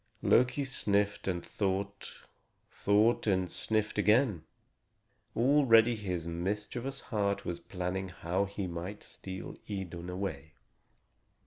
Loki sniffed and thought, thought and sniffed again. Already his mischievous heart was planning how he might steal Idun away.